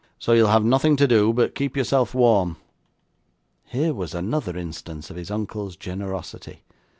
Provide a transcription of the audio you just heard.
'So, you'll have nothing to do but keep yourself warm.' Here was another instance of his uncle's generosity!